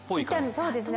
そうですね。